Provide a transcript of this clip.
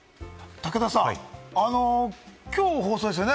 武田さん、きょう放送ですよね？